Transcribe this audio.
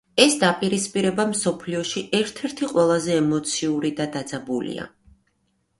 ეს დაპირისპირება მსოფლიოში ერთ-ერთი ყველაზე ემოციური და დაძაბულია.